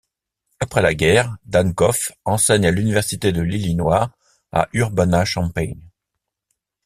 Après la guerre, Dancoff enseigne à l'université de l'Illinois à Urbana-Champaign.